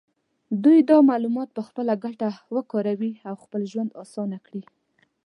دوی دا معلومات په خپله ګټه وکاروي او خپل ژوند اسانه کړي.